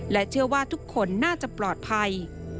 เชื่อว่าทุกคนน่าจะปลอดภัย